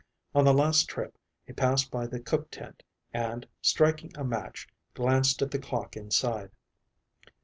On the last trip he passed by the cook tent and, striking a match, glanced at the clock inside.